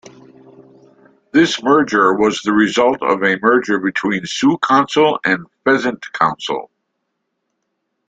This merger was the result of a merger between Sioux Council and Pheasant Council.